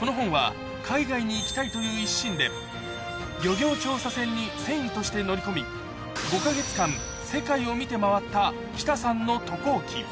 この本は海外に行きたいという一心で、漁業調査船に船医として乗り込み、５か月間、世界を見て回った北さんの渡航記。